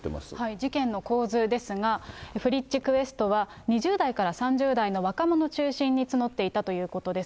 事件の構図ですが、フリッチクエストは、２０代から３０代の若者を中心に募っていたということです。